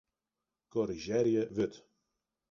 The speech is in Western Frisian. Korrizjearje wurd.